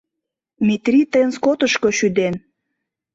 Метри тыйым скотышко шӱден!..